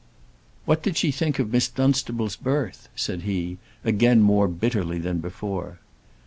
"What did she think of Miss Dunstable's birth?" said he, again more bitterly than before.